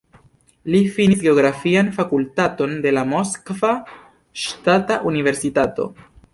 Li finis geografian fakultaton de la Moskva Ŝtata Universitato.